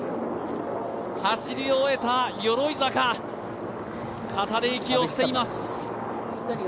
走り終えた鎧坂、肩で息をしています。